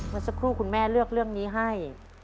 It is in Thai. เมื่อสักครู่คุณแม่เลือกเรื่องนี้ให้